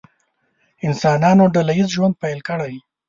انسانانو ډله ییز ژوند پیل کړی.